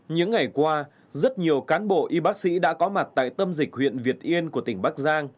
những ngày qua rất nhiều cán bộ y bác sĩ đã có mặt tại tâm dịch huyện việt yên của tỉnh bắc giang